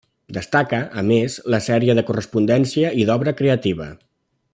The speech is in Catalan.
Destaca, a més, la sèrie de correspondència i d'obra creativa.